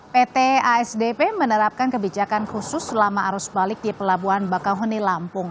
pt asdp menerapkan kebijakan khusus selama arus balik di pelabuhan bakauheni lampung